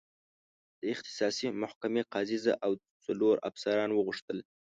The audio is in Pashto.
د اختصاصي محکمې قاضي زه او څلور افسران وغوښتل.